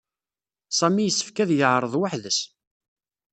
Sami yessefk ad yeɛreḍ weḥd-s.